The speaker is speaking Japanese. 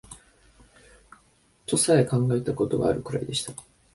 とさえ考えた事があるくらいでした